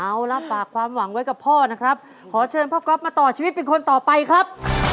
เอาละฝากความหวังไว้กับพ่อนะครับขอเชิญพ่อก๊อฟมาต่อชีวิตเป็นคนต่อไปครับ